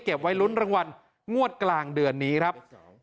ไว้ลุ้นรางวัลงวดกลางเดือนนี้ครับ